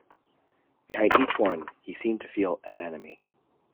Behind each one he seemed to feel an enemy.